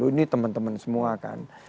ini teman teman semua kan